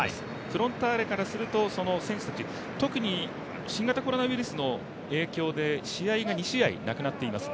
フロンターレからすると、選手たち特に新型コロナウイルスの影響で試合が２試合なくなっています。